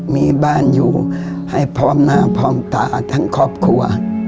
มีบ้านอยู่ให้พร้อมหน้าพร้อมตาทั้งครอบครัว